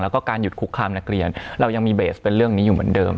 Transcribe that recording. แล้วก็การหยุดคุกคามนักเรียนเรายังมีเบสเป็นเรื่องนี้อยู่เหมือนเดิม